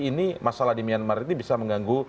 ini masalah di myanmar ini bisa mengganggu